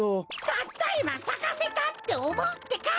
たったいまさかせた！っておもうってか！